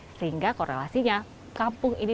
sehingga korelasinya kampung ini